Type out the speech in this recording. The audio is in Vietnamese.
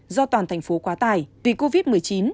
do toàn thành phố quá tải vì covid một mươi chín